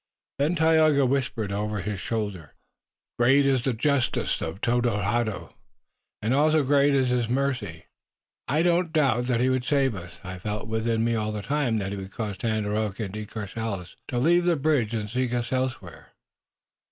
Then Tayoga whispered over his shoulder: "Great is the justice of Tododaho and also great is his mercy. I did not doubt that he would save us. I felt within me all the time that he would cause Tandakora and De Courcelles to leave the bridge and seek us elsewhere."